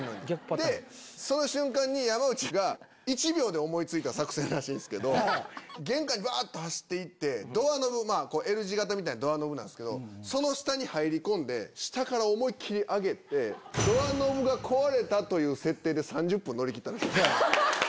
で、その瞬間に山内が、１秒で思いついた作戦らしいんですけど、玄関にばーっと走っていって、ドアノブ、Ｌ字型みたいなドアノブなんですけど、その下に入り込んで、下から思いっ切り上げて、ドアノブが壊れたという設定で３０分乗り切ったらしいです。